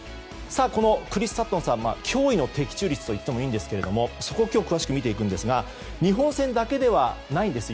このクリス・サットンさんは驚異の的中率といってもいいですがそこを今日詳しく見ていくんですが日本戦だけではないんです。